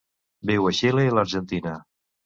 Viu a Xile i l'Argentina.